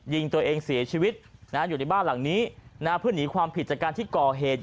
ยิงตัวเองเสียชีวิตอยู่ในบ้านหลังนี้เพื่อหนีความผิดจากการที่ก่อเหตุ